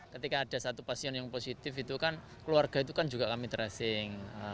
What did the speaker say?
ketika ada satu pasien yang positif itu kan keluarga itu kan juga kami tracing